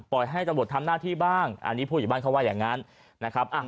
ปล่อยให้ตะบดทำหน้าที่บ้างอันนี้ผู้หญิงบ้านเขาว่าอย่างนั้น